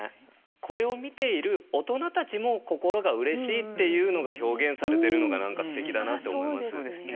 これを見ている大人たちも心がうれしいっていうのが表現されてるのが何かすてきだなと思います。